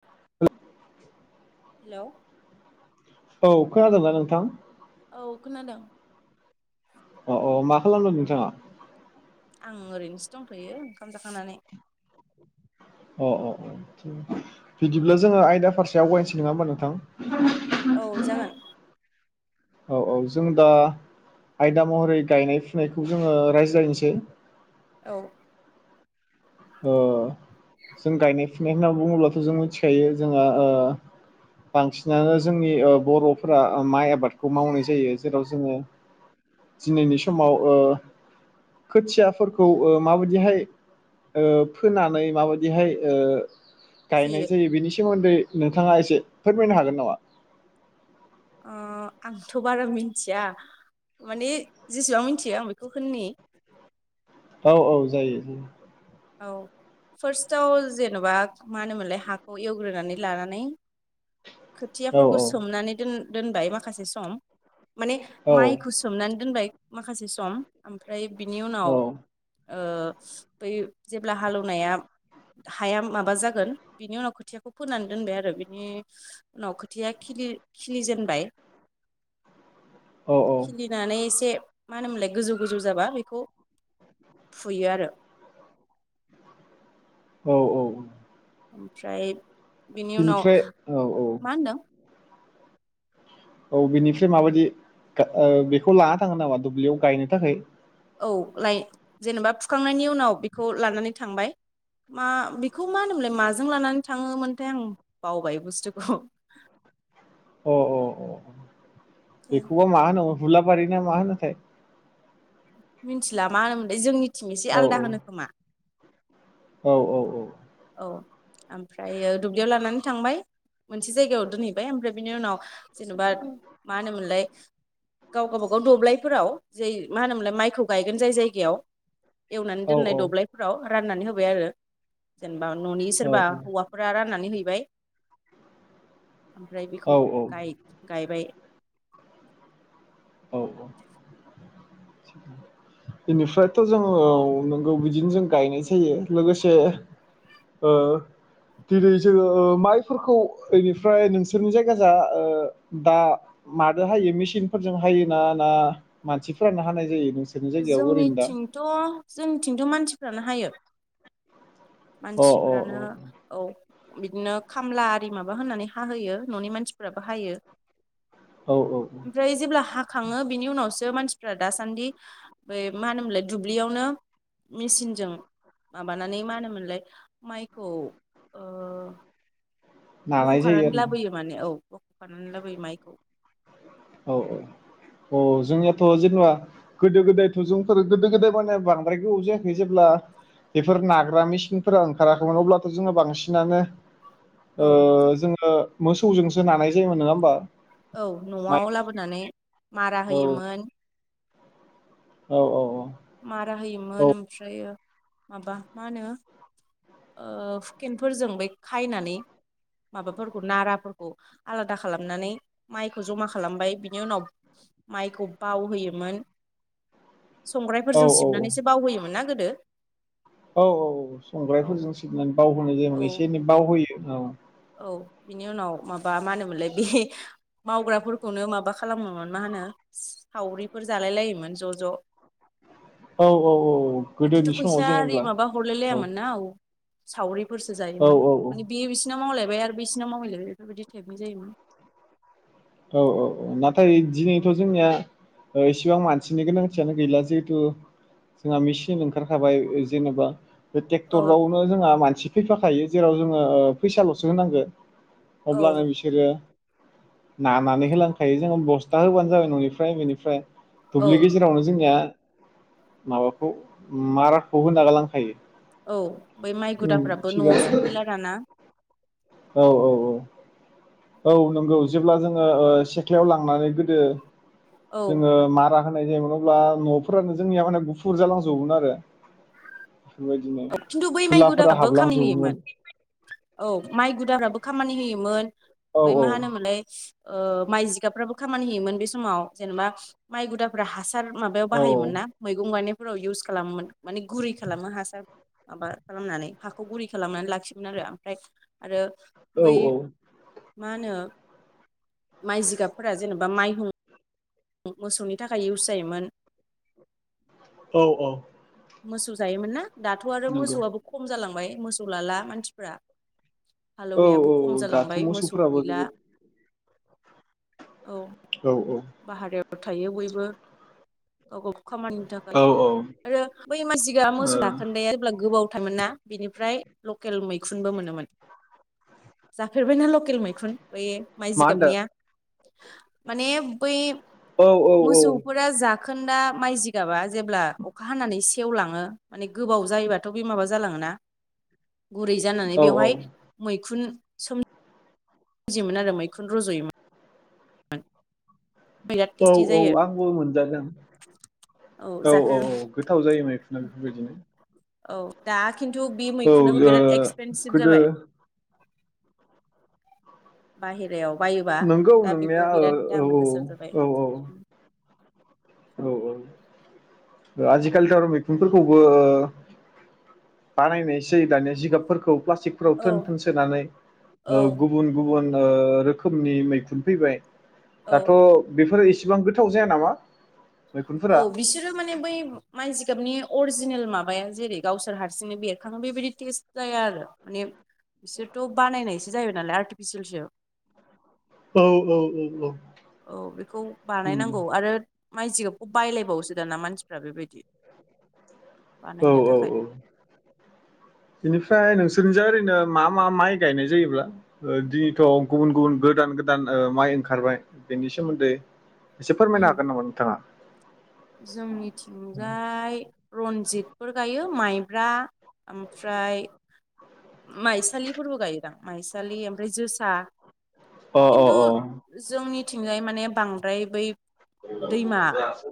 [inaudible] Hello औ खोनादोंना नोंथां। औ खोनादों। अ अ मा खालामदों नोंथाङा? आं ओरैनोसो दंथ'यो ओंखाम जाखांनानै। अ अ अ बिदिब्ला जोङो आयदा फारसे आवगायनोसै नङा होमबा नोंथां। औ जागोन। औ औ जों दा आयदा महरै गायनाय फुनायखौ जोङो राय्लायनोसै। औ जों गायनाय फुनाय होनना बुङोब्लाथ' जों मिथिखायो जोंहा बांसिनानो जोंनि बर'फोरा माइ आबादखौ मावनाय जायो जेराव जोङो दिनैनि समाव खोथियाफोरखौ माबायदिहाय ओ फोनानै माबायदिहाय गायनाय फुयो जायो बेनि सोमोन्दै नोंथाङा एसे फोरमायनो हागोन नामा आंथ' बारा मिथिया माने जेसेबां मिथियो आं बेखौ होननि। औ औ जायो जायो। औ फार्स्टआव जेन'बा मा होनोमोनलाय हाखौ एवग्रोनानै लानानै औ औ खोथियाफोरखौ सोमनानै दोन दोनबाय माखासे सम। माने औ माइखौ सोमनानै दोनबाय। माखासे सम ओमफ्राय। बिनि उनाव। ओ दै जेब्ला हालौवनाया हाया माबा जागोन बिनि उनाव खोथियाखौ फोनानै दोनबाय आरो बिनि उनाव खोथिया खिलि जेनबाय। औ खिलिनानै एसे। मा होनोमोनलाय गोजौ गोजौ जाबा बेखौ फुयो आरो। औ औ ओमफ्राय। बिनि उनाव बिनिफ्राय औ औ। मा होनदों औ बेनिफ्राय माबायदि बेखौ लाना थाङो नामा दुब्लियाव गायनो थाखाय। औ जेनेबा फुखांनायनि उनाव बेखौ लानानै थांबाय मा बेखौ मा होनोमोनलाय माजों लानानै थाङोमोनथाय आं बावबाय बुस्थुखौ अ औ औ। बेखौबा मा होनो भुला बारिना मा होनोथाय मिथिला मा होनोमोनलै जोंनि थिं एसे औ आलादा होनो खोमा औ औ औ औ ओमफ्रायो दुब्लियाव लानानै थांबाय मोनसे जायगायाव दोनहैबाय ओमफ्राय बिनि उनाव जेनबा मा होनोमोनलाय गाव गावबागाव दब्लायफोराव जै मा होनोमोनलाय माइखौ गायगोन जाय जायगायाव एवनानै औ दोननाय दब्लायफोराव राननानै होबाय आरो। बा न'नि औ सोरबा हौवाफोरा राननानै है बाय ओमफ्राय औ बेखौ औ औ गाय-गायबाय औ औ बेनिफ्रायथ' जोङो नोंगौ बिदिनो जों गायनाय जायो लोगोसे ओ दिनै जोङो माइफोरखौ बेनिफ्राय नोंसोरनि जायगा जों ओ दा माजों हायो मेसिनफोर जों हायोना ना मानसिफोरानो हानाय जायो नोंसोरनि जायगायाव ओरैनो दा? जोंनिथिंथ' जोंनिथिंथ' मानसिफ्रानो हायो। अ अ मानसिफ्रानो अ औ बिदिनो खामला आरि माबा होननानै हाहोयो न'नि मानसिफोराबो हायो। औ औ ओमफ्राय जेब्ला हा खाङो बिनि उनावसो मानसिफ्रा दासान्दि बे मा होनोमोनलाय दुब्लियावनो मेसिनजों माबानानै मा होनोमोनलाय माइखौ ओ नानाय जायो बख'खानानै आरोना लाबोयो माने औ बख'खानानै लाबोयो माइखौ। औ औ औ जोंनियाथ' जेनेबा गोदो गोदायथ' जोंफोर गोदो गोदाय माने बांद्राय गोबाव जायाखै जेब्ला बेफोर नाग्रा मेसिनफोरा ओंखाराखैमोन अब्लाथ' जोङो बांसिनानो औ ओ जोङो मोसौजोंसो नानाय जायोमोन नङा होमबा? औ माइ न'आव लाबोनानै। मारा औ होयोमोन। औ औ औ मारा होयोमोन ओमफ्राय माबा मा होनो ओ हुकेनफोरजों बै खायनानै माबाफोरखौ नाराफोरखौ आलादा खालामनानै माइखौ जमा खालामबाय बिनि उनाव माइखौ बावहोयोमोन औ संग्राइफोरजों औ औ सिबनानैसो बावहोयोमोन ना गोदो? औ औ औ औ संग्रायफोरजों सिबनानै बावहोनो औ जाय एसे एनै बावहोयो औ औ बिनि उनाव माबा मा होनोमोनलाय बे मावग्राफोरखौनो माबा खालामोमोन मा होनो सावरिफोर जालाय लायोमोन ज' ज' औ औ औ बिदिथ' गोदोनि समाव फैसा जेनेबा औ सावरि फोरसो औ जायोमोन औ माने बे [unintelligible] बिसिनाव मावलायबाय आरो बिसिनाव मावलायलायबाय बेफोरबायदि टाइपनि जायोमोन। औ औ औ नाथाय दिनैथ' जोंनिया इसिबां मानसिनि गोनांथियानो गैला जिहेथु जोंहा मेसिन ओंखारखाबाय जेनेबा बे औ ट्रेक्टरावनो जोंहा मानसि फैफाखायो जेराव जोङो फैसाल'सो होनांगौ औ अब्लानो बिसोरो नानानै होलांखायो जोङो बस्था होबानो जाबाय न'निफ्राय बेनिफ्राय औ दुब्लि गेजेरावनो जोंनिया माबाखौ मा राखौ होना गालांखायो। औ। बै माइ उम गुदाफ्राबो न'आव थिगानो सफैला दाना औ औ औ औ नंगौ जेब्ला जोङो सेथलायाव लांनानै गोदो। औ जोङो मारा होनाय जायोमोन अब्ला न'फोरानो जोंनिया माने गुफुर जालांजोबोमोन आरो। बेफोरबायदिनो खिन्थु बै माइ थुलाफोरा [unintelligible] बो हाबलांजोबोमोन खामिहैयोमोन औ माइ गुद बो खामानि होयोमोन। औ बै मा औ होनोमोनलाय माइ जिगाबफ्राबो खामानि होयोमोन बे समाव जेनेबा माइ गुदाफ्रा हार माबायाव औ बाहायोमोन ना मैगं गायनाय इउस खालामोमोन माने गुरै खालामो हासार माबा खालामनानै हाखौ गुरै खालामनानै लाखियोमोन आरो ओमफ्राय आरो औ बै औ मा होनो माइ जिगाबफोरा जेनेबा माइ हुं मोसौनि थाखाय इउस जायोमोन। औ औ मोसौ जायोमोन ना दाथ' आरो नंगौ मोसौआबो खम जालाङो मोसौ लाला मानसिफोरा औ औ औ दाथ' मोसौफोराबो गैला जोबोद औ औ औ भारायाव थायो बयबो गाव गावखौ खामानिनि थाखाय औ ओ आरो बै मानसिआ मोसौ खोन्दाया जेब्ला गोबाव हथायमोन ना बिनिफ्राय लकेल मैखुनबो मोनोमोन जाफेरबायना लकेल मैखुन। बै माइ मा होनदों जिगाबनिया माने बोय औ औ मोसौफोरा जा खोनदा माइ जिगाबा जेब्ला अखा हानानै सेवलाङो माने गोबाव जायोबाथ' बे माबा जालाङोना। गुरै जानानै औ बेवहाय मैखुन। सम जियोमोन आरो मैखुन रज'योमोन। [unintelligible] बिराद औ टेस्टि औ जायो आंबो मोनजादों। औ औ औ गोथाव जायो मैखुना बेफोरबायदिनो। औ दा खिन्थु बि औ मैखुनाबो बिराद ओ एक्सपेनसिभ गोदो जाबाय। बाहेरायाव। बायोबा नंगौ दा नोंनाया बेबो बिराद ओ दाम गोसा औ जाबाय औ उम औ औ। औ आजिखालिथ' आरो मैखुनफोरखौबो ओ बानायनायसै दानिया जिगाबफोरखौ प्लास्टिकफोराव औ थोन-थोन सोनानै ओ औ गुबुन गुबुन ओ रोखोमनि मैखुन फैबाय। औ दाथ' बेफोर इसे एसेबां गोथाव जाया नामा? औ मैखुनफोरा बिसोरो माने बै माइ जिगाबनि अरजिनेल माबाया जेरै- गावसोर हारसिंनो बेरखाङो बेबायदि टेस्ट जाया आरो माने बिसोरो बानायनायसो जाहैबाय नालाय आर्टिफिसियेलसो। औ औ औ औ। औ बेखौ बानायनांगौ आरो माइ जिगाब खौ बायलायबावोसो दाना मानसिफ्रा बेबायदि। औ बानायनो औ थाखाय औ। बेनिफ्राय नोंसोरनिजा ओरैनो मा मा माइ गायनाय जायोब्ला दिनैथ' गुबुन गुबुन गोदान गोदान ओ माइ ओंखारबाय बेनि सोमोन्दै। एसे उम फोरमायनो हागोन नामा नोंथाङा? जोंनिथिंजाय रन्जित। फोर गायो माइब्रा ओमफ्राय माइसालिफोरबो गायोदां माइसालि ओमफ्राय जोसा। अ अ खिन्थु जोंनि थिंजाय माने बांद्राय बै दैमा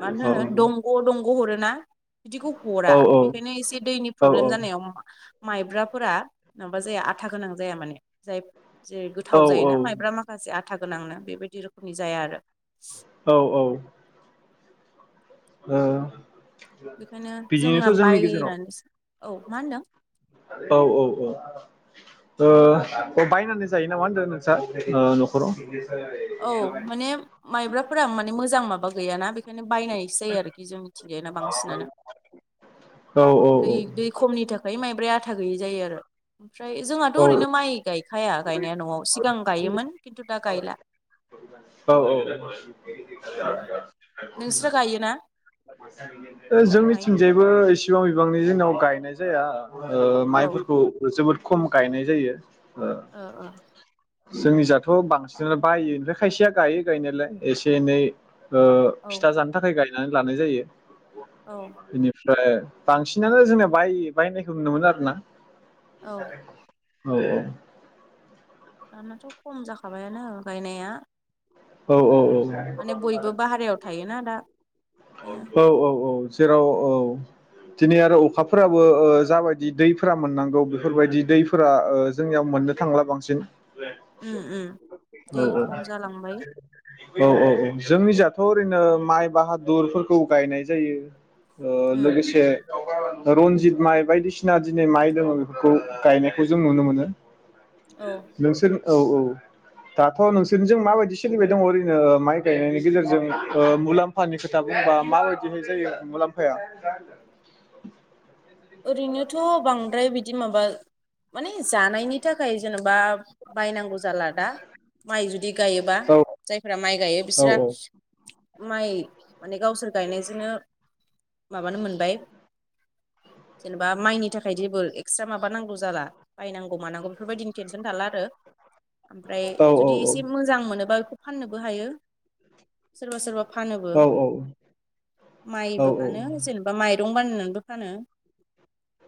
मा अ होनो दंग' दं। ग' हरोना? बिदिखौ औ हरा बेखायनो एसे दैनि प्रब्लेम जानायाव मा माइब्राफोरा। नङाबा जाया आथा गोनां जाया माने जाय जेरै गोथाव औ जायोना माइब्रा माखासे आ आथा गोनांनो बेबायदि रोखोमनि जाया आरो। औ औ। ओ बेखायनो जोंना बायनानैसो औ मा होनदों। औ औ औ। ओ बायनानै जायो नामा होनदों नोंस्रा न'खराव? औ माने माइब्राफोरा माने मोजां माबा गैयााना बेखायनो बायनायसो जायो आरोखि जों मिथिंजाय ना बांसिनानो। औ औ दै दै खमनि थाखाय माइ ओमफ्राय आथा गैयि जायो आरो। ओमफ्राय जोंहाथ' औ ओरैनो माइ गाय खाया गायनाया न'आव सि सिगं गायोमोन खिन्थु दा गायला। औ औ। ओ औ नोंस्रा गायोना माइ जोंनिथिंजायबो एसे बिबां बिबांनि जोंनाव गायनाय जाया। औ ओ माइफोरखौ जोबोद खम गायनाय जायो। ओ औ औ। जोंनि जाथ' बांसिनानो बायो ओमफ्राय खायसेया गायो गायनायालाय एसे एनै। औ फिथा जानो थाखाय गायो। नानै लानाय जायो। औ। ओमफ्राय बांसिनानो जोंना बाय बायनायखौ नुनोमोन आरोना। औ [unintelligible] औ औ। दानाथ' खम जाखाबायानो गायनाया।। औ औ औ। माने बयबो बाहेरायाव थायोना दा बेनो। औ औ औ जेराव औ दिनै आरो अखाफोराबो जाबायदि दैफोरा मोननांगौ बेफोरबायदि दैफोरा जोंनियाव मोननो थांला बांसिन। उ उम औ दै खम जालांबाय। [inaudible] औ औ औ जोंनि जाथ' ओरैनो माइ बाहादुरफोरखौ गायनाय जायो ओ उम लोगोसे रनजित माइ बायदिसिना दिनै माइ दङो बेफोरखौ गायनायखौ जों नुनो मोनो औ नोंसोर औ औ दाथ' नोंसोरनिजों माबायदि सोलिबाय दङ ओरैनो माइ गायनायनि गेजेरजों ओ मुलाम्फानि खोथा बुंबा माबायदिहाय जायो मुलाम्फाया ओरैनोथ' बांद्राय बिदि माबा माने जानायनि थाखाय जेनेबा बायनांगौ जाला दा माइ जुदि गायोबा औ जायफ्रा माइ गायो औ बिस्रा औ माइ माने गावसोर गायनायजोंनो माबानो मोनबाय जेनेबा माइनि थाखाय जेबो एक्सट्रा माब नांगौ जाला बायनांगौ मानांगौ बेफोरबायदिनि टेनसन थाला आरो ओमफ्राय औ जुदि एसे मोजां मोनोबा फाननोबो हायो सोरबा सोरबा फानोबो औ माइबो फानो औ जेनेबा माइ दंबानो नोंबो फानो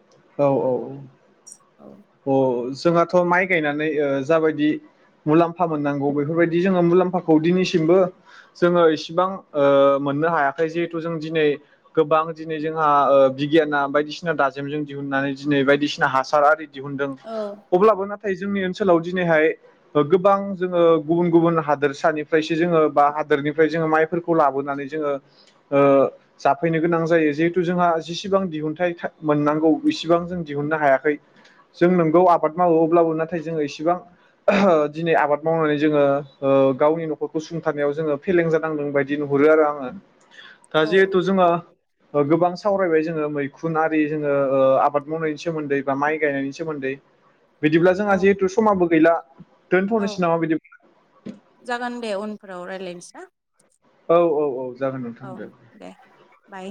औ औ अ जोंहाथ' माइ गायनानै ओ जाबायदि मुलाम्फा मोननांगौ बेफोरबायदि जोङो मुलाम्फाखौ दिनैसिमबो जोङो इसिबां ओ मोननो हायाखै जिहेथु जों दिनै गोबां दिनै जोंहा ओ बिगियाना बायदिसिना दाजेमजों दिहुननानै दिनै बायदिसिना हासार आरि दिहुनदों औ अब्लाबो ना थाय जोंनि ओनसोलाव दिनैहाय ओ गोबां जोङो गुबुन गुबुन हादोरसानिफ्रायसो जोङो बा हादोरनिफ्राय जोङो माइफोरखौ लाबोनानै जोङो ओ जाफैनो गोनां जायो जिहेथु जोंहा जिसेबां दिहुनथाइ मोननांगौ इसिबां जों दिहुननो हायाखै जों नोंगौ आबाद मावो अब्लाबो नाथाय जोङो इसिबां दिनै आबाद मावनानै जोङो ओ गावनि न'खरखौ सुंथानायाव जोङो फेलें जानांदों बायदि नुहरो आरो आङो दा औ जिहेथु जोङो ओ गोबां सावरायबाय जोङो मैखुनारि जोङो ओ आबाद मावनायनि सोमोन्दै बा माइ गायनायनि सोमोन्दै बिदिब्ला औ जोंहा जिहेतु समाबो गैला औ दोनथ'नोसै नामा बिदि जागोन दे उन फोराव रायलायनोसै ना औ औ औ जागोन औ नोंथां दे बाय